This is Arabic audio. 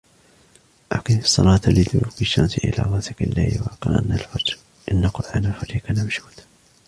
أَقِمِ الصَّلَاةَ لِدُلُوكِ الشَّمْسِ إِلَى غَسَقِ اللَّيْلِ وَقُرْآنَ الْفَجْرِ إِنَّ قُرْآنَ الْفَجْرِ كَانَ مَشْهُودًا